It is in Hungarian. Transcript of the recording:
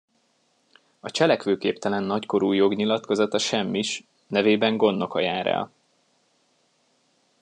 A cselekvőképtelen nagykorú jognyilatkozata semmis, nevében gondnoka jár el.